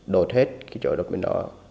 đột hết cái chỗ đập bên đó